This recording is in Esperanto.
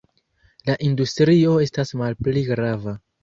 La industrio estas malpli grava.